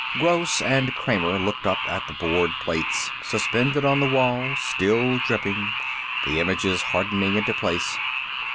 Gross and Kramer looked up at the board plates, suspended on the wall, still dripping, the images hardening into place.